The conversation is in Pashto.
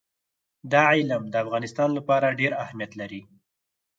دا علم د افغانستان لپاره ډېر اهمیت لري.